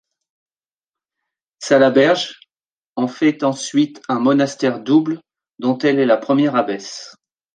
Salaberge en fait ensuite un monastère double dont elle est la première abbesse.